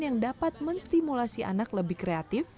yang dapat menstimulasi anak lebih kreatif